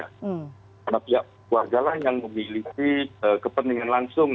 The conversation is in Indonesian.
karena pihak keluarga yang memiliki kepentingan langsung